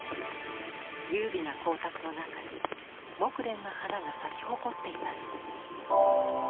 優美な光沢の中に木蓮の花が咲き誇っています。